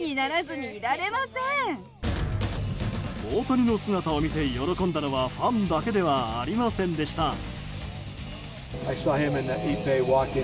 大谷の姿を見て喜んだのはファンだけではありませんでした。